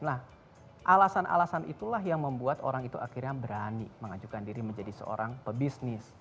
nah alasan alasan itulah yang membuat orang itu akhirnya berani mengajukan diri menjadi seorang pebisnis